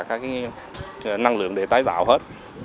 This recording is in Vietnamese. các năng lượng để tái tạo hết